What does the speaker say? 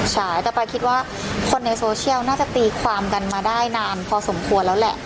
ใช่แต่ปลาคิดว่าคนในโซเชียลน่าจะตีความกันมาได้นานพอสมควรแล้วแหละ